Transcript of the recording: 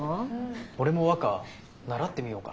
俺も和歌習ってみようかな。